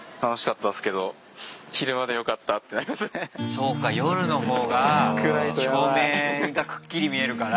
そうか夜のほうが照明がくっきり見えるから。